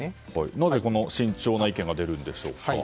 なぜ、この慎重な意見が出るんでしょうか。